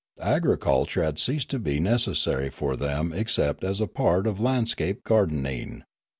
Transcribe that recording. Agriculture had ceased to be necessary for them except as a part of landscape gardening.